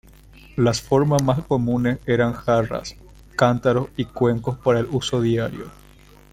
Las formas más comunes eran jarras, cántaros y cuencos para el uso diario.